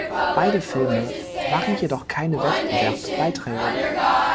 Beide Filme waren jedoch keine Wettbewerbsbeiträge.